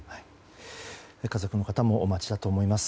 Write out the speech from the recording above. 家族の方もお待ちだと思います。